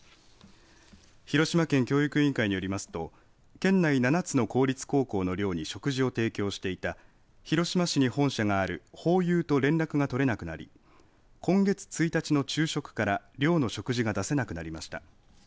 広島県教育委員会によりますと県内７つの公立高校の寮に食事を提供していた広島市に本社があるホーユーと連絡が取れなくなり今月１日の昼食から寮の食事が出せなくなりました。